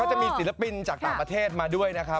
จะมีศิลปินจากต่างประเทศมาด้วยนะครับ